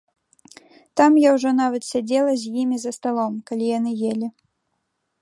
Там я ўжо нават сядзела з імі за сталом, калі яны елі.